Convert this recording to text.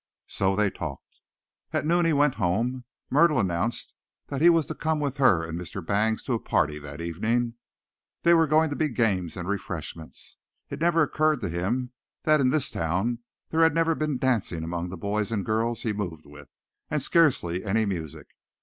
So they talked. At noon he went home. Myrtle announced that he was to come with her and Mr. Bangs to a party that evening. There were going to be games and refreshments. It never occurred to him that in this town there had never been dancing among the boys and girls he moved with, and scarcely any music.